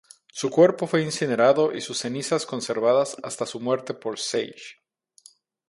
Su cuerpo fue incinerado y sus cenizas conservadas hasta su muerte por Sage.